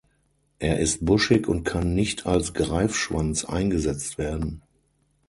Er ist buschig und kann nicht als Greifschwanz eingesetzt werden.